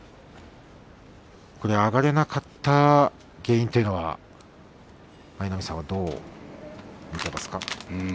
上がれなかった原因というのは舞の海さんはどういう見方をしますか。